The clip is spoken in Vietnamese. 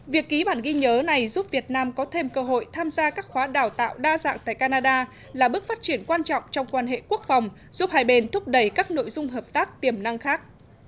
việc ký bản ghi nhớ này giúp việt nam có thêm cơ hội tham gia các khóa đào tạo đa dạng tại canada là bước phát triển quan trọng trong quan hệ quốc phòng giúp hai bên thúc đẩy các nội dung hợp tác tiềm năng khác